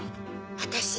「私